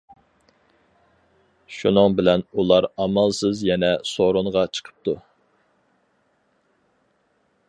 شۇنىڭ بىلەن ئۇلار ئامالسىز يەنە سورۇنغا چىقىپتۇ.